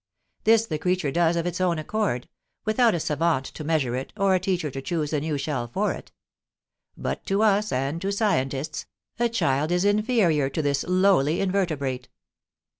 This the creature does of its own accord, without a savant to measure it or a teacher to choose a new shell for it. But to us and to scientists, a child is inferior to this lowly invertebrate!